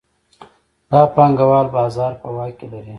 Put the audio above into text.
دا پانګوال بازار په واک کې لري